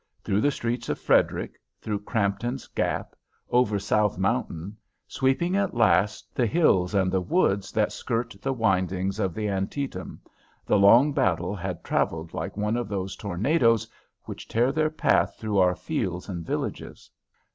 Through the streets of Frederick, through Crampton's Gap, over South Mountain, sweeping at last the hills and the woods that skirt the windings of the Antietam, the long battle had travelled, like one of those tornadoes which tear their path through our fields and villages.